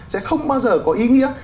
sẽ không bao giờ có ý nghĩa